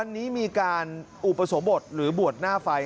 วันนี้มีการอุปสมบทหรือบวชหน้าไฟ